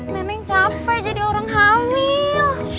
neneng capek jadi orang hamil